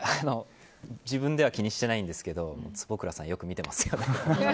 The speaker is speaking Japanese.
自分では気にしてないんですけど坪倉さんはよく見ていますよ。